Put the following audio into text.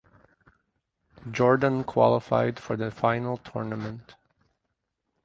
Jordan qualified for the final tournament.